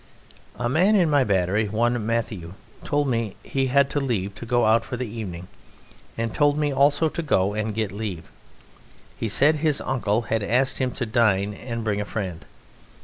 A man in my battery, one Matthieu, told me he had leave to go out for the evening, and told me also to go and get leave. He said his uncle had asked him to dine and bring a friend.